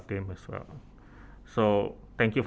terima kasih atas pertanyaan